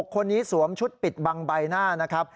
คนนี้สวมชุดปิดบังใบหน้านะครับ